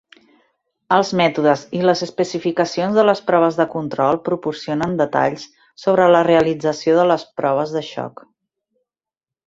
Els mètodes i les especificacions de les proves de control proporcionen detalls sobre la realització de les proves de xoc.